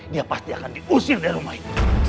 dia pasti akan diusir dari rumah itu